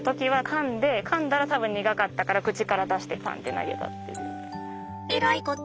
かんだら多分苦かったから口から出してパンッて投げたっていう。